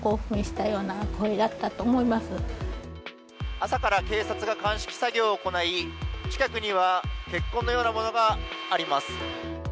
朝から警察が鑑識作業を行い近くには血痕のようなものがあります。